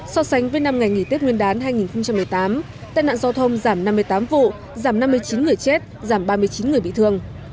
so sánh với năm ngày nghỉ tết nguyên đán hai nghìn một mươi tám tai nạn giao thông giảm năm mươi tám vụ giảm năm mươi chín người chết giảm ba mươi chín người bị thương